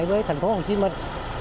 với thành phố hồ chí minh